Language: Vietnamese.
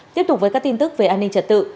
tiếp tục với các tin tức về an ninh trật tự